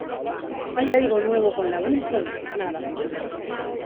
¿ hay algo de nuevo con la Wilson? nada.